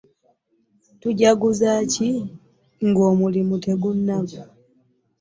Tujaguza ki ng'omulimu tegunnaggwa?